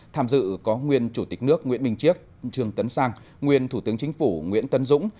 tham dự có nguyên chủ tịch nước nguyễn minh chiếc trương tấn sang nguyên thủ tướng chính phủ nguyễn tấn dũng